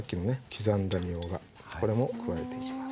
刻んだみょうがこれも加えていきます。